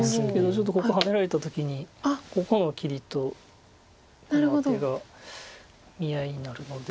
ちょっとここハネられた時にここの切りとこのアテが見合いになるので。